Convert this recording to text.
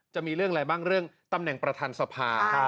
จะมีเรื่องอะไรบ้างเรื่องตำแหน่งประธานสภา